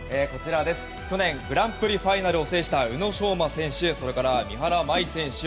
去年グランプリファイナルを制した宇野昌磨選手そして三原舞依選手